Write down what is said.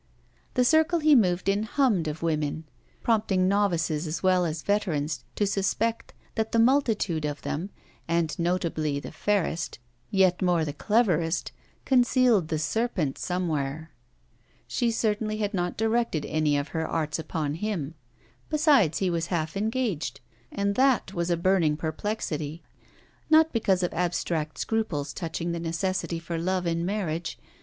The circle he moved in hummed of women, prompting novices as well as veterans to suspect that the multitude of them, and notably the fairest, yet more the cleverest, concealed the serpent somewhere. She certainly had not directed any of her arts upon him. Besides he was half engaged. And that was a burning perplexity; not because of abstract scruples touching the necessity for love in marriage.